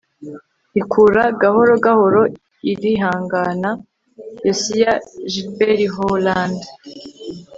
ikura gahoro gahoro, irihangana. - yosiya gilbert holland